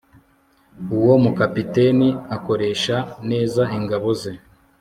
Uwo mukapiteni akoresha neza ingabo ze